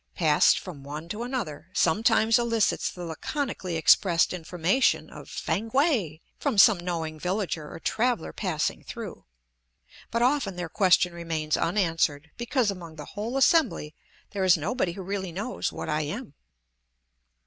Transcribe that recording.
passed from one to another, sometimes elicits the laconically expressed information of" Fankwae" from some knowing villager or traveller passing through, but often their question remains unanswered, because among the whole assembly there is nobody who really knows what I am.